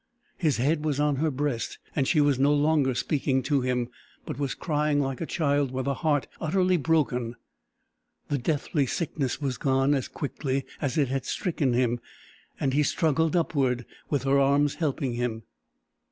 His head was on her breast, and she was no longer speaking to him, but was crying like a child with a heart utterly broken. The deathly sickness was gone as quickly as it had stricken him, and he struggled upward, with her arms helping him.